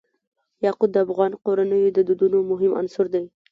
یاقوت د افغان کورنیو د دودونو مهم عنصر دی.